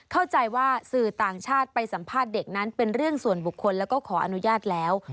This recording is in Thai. เข้าใจว่าสื่อต่างชาติไปสัมภาษณ์เด็กนั้นเป็นเรื่องส่วนบุคคลแล้วก็ขออนุญาตแล้ว